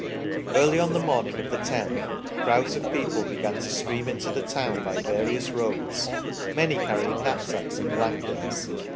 Early on the morning of the 1 Oth crowds of people began to stream into the town by various roads, many carrying knapsacks and blankets.